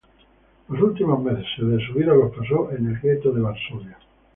Los últimos meses de su vida los pasó en el gueto de Varsovia.